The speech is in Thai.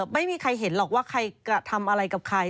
ไม่มีใครเห็นหรอกว่าใครกระทำอะไรกับใคร